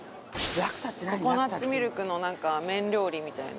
ココナッツミルクのなんか麺料理みたいな。